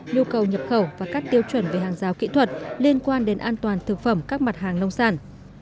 nhu cầu nhập khẩu và các tiêu chuẩn về hàng rào kỹ thuật liên quan đến an toàn thực phẩm các mặt hàng nông sản